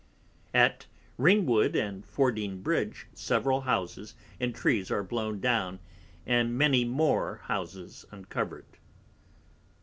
At Ringwood and Fording Bridge, several Houses and Trees are blown down, and many more Houses uncovered.